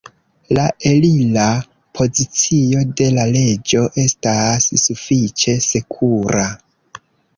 La elira pozicio de la reĝo estas sufiĉe sekura.